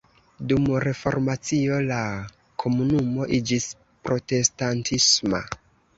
Dum Reformacio la komunumo iĝis protestantisma.